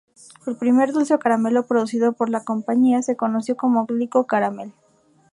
El primer dulce o caramelo producido por la compañía se conoció como Glico-Caramel.